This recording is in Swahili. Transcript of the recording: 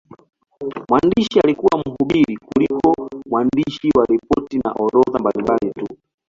Mwandishi alikuwa mhubiri kuliko mwandishi wa ripoti na orodha mbalimbali tu.